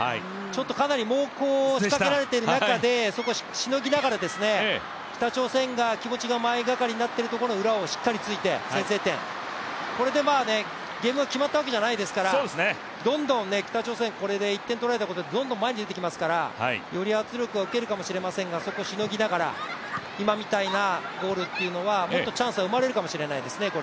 かなり猛攻を仕掛けられている中で、そこをしのぎながら北朝鮮が気持ちが前がかりになっているところ、裏をしっかり突いて先制点、これでゲームが決まったわけではないですから、北朝鮮、１点取られたことでどんどん前に出てきますからより圧力を受けるかもしれませんが、そこをしのぎながら今みたいなゴールは、もっとチャンスがこれから生まれるかもしれないですね。